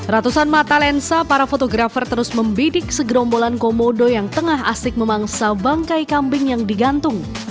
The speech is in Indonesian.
ratusan mata lensa para fotografer terus membidik segerombolan komodo yang tengah asik memangsa bangkai kambing yang digantung